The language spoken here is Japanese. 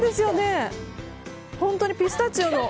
本当にピスタチオの。